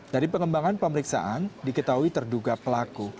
dari pengembangan pemeriksaan diketahui terduga pelaku